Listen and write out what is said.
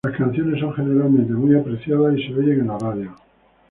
Las canciones son generalmente muy apreciadas y se oyen en la radio.